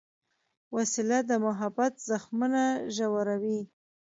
وسله د محبت زخمونه ژوروي